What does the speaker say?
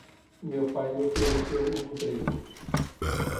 Meu pai lhe ofereceu um emprego.